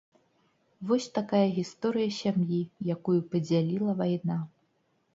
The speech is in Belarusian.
Вось такая гісторыя сям'і, якую падзяліла вайна.